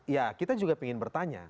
ya kita juga ingin bertanya